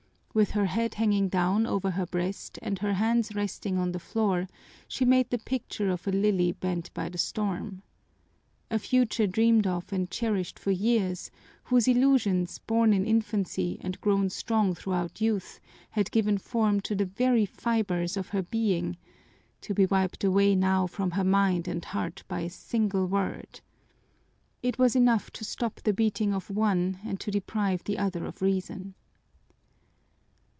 With her head hanging down over her breast and her hands resting on the floor she made the picture of a lily bent by the storm. A future dreamed of and cherished for years, whose illusions, born in infancy and grown strong throughout youth, had given form to the very fibers of her being, to be wiped away now from her mind and heart by a single word! It was enough to stop the beating of one and to deprive the other of reason.